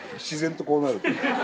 自然とこうなる